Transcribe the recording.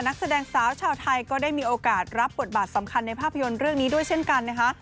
นักแสดงสาวชาวไทยก็ได้มีโอกาสรับบทบาทสำคัญในภาพยนตร์เรื่องนี้ด้วยเช่นกันนะคะ